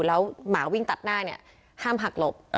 แล้วหมาวิ่งตัดหน้าเนี่ยห้ามหักหลบ